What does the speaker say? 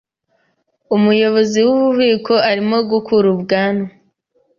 Umuyobozi wububiko arimo gukura ubwanwa.